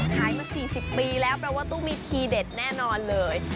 ขายมา๔๐ปีแล้วแปลว่าต้องมีทีเด็ดแน่นอนเลย